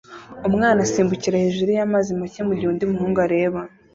Umwana asimbukira hejuru y'amazi make mugihe undi muhungu areba